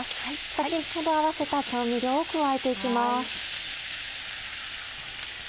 先ほど合わせた調味料を加えていきます。